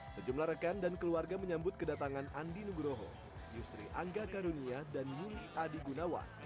sejumlah rekan dan keluarga menyambut kedatangan andi nugroho yusri angga karunia dan muli adi gunawan